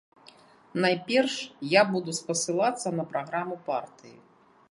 Найперш, я буду спасылацца на праграму партыі.